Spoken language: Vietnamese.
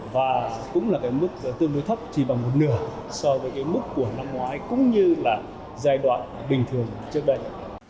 và cũng là cái mức tương đối thấp chỉ bằng một nửa so với cái mức của năm ngoái cũng như là giai đoạn bình thường trước đây